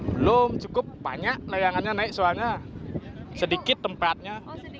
belum cukup banyak layangannya naik soalnya sedikit tempatnya